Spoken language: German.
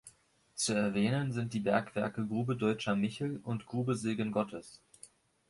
Zu erwähnen sind die Bergwerke Grube Deutscher Michel und Grube Segen Gottes.